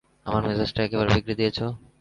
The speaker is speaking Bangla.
আমার মেজজটা একেবারে বিগড়ে দিয়েছো।